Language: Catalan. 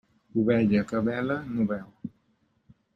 Ovella que bela no beu.